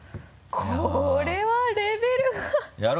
これはレベルが高いな！